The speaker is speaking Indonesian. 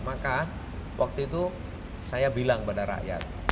maka waktu itu saya bilang pada rakyat